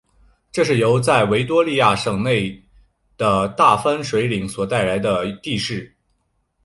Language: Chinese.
这是由在维多利亚省境内的大分水岭所带来的地势。